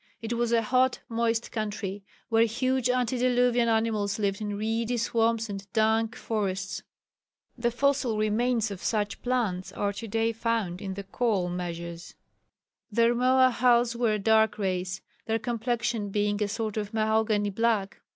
It was a hot, moist country, where huge antediluvian animals lived in reedy swamps and dank forests. The fossil remains of such plants are to day found in the coal measures. The Rmoahals were a dark race their complexion being a sort of mahogany black.